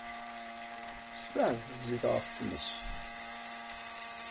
Sbeɛdet zzit ɣef tmes.